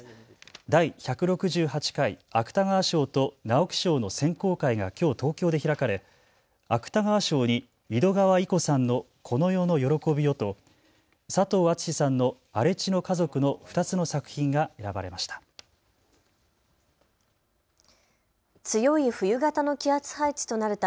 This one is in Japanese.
第１６８回芥川賞と直木賞の選考会がきょう東京で開かれ芥川賞に井戸川射子さんのこの世の喜びよと佐藤厚志さんの荒地の家族の２つの作品が選ばれました。